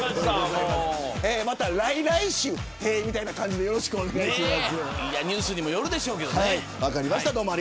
また来々週、屁みたいな感じでよろしくお願いします。